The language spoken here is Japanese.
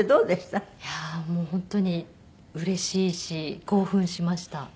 いやーもう本当にうれしいし興奮しました。